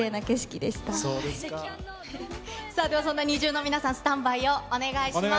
では、そんなＮｉｚｉＵの皆さん、スタンバイをお願いします。